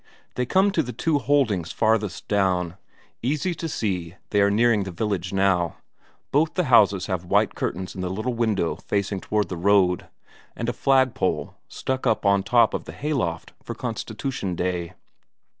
They come to the two holdings farthest down; easy to see they are nearing the village now; both the houses have white curtains in the little window facing toward the road, and a flag pole stuck up on top of the hayloft for Constitution Day.